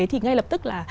thì ngay lập tức là